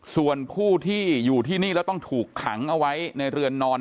ส่วนผู้ที่อยู่ที่นี่แล้วต้องถูกขังเอาไว้ในเรือนนอน